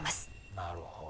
なるほど。